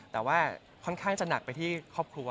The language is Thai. แต่ว่าค่อนข้างจะหนักไปที่ครอบครัว